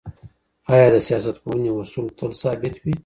آيا د سياستپوهني اصول تل ثابت وي؟